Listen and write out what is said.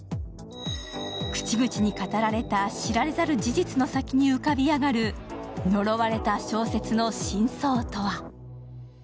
口々に語られた知られざる事実の先に浮かび上がる呪われた小説の真相とは？